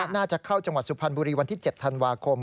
น่าจะเข้าจังหวัดสุพรรณบุรีวันที่๗ธันวาคม